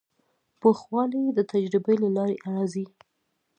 پوخوالی د تجربې له لارې راځي.